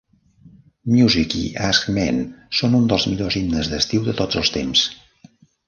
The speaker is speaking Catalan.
Music i AskMen són uns dels millors himnes d'estiu de tots els temps.